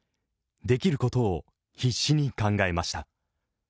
できることを必死に考えました。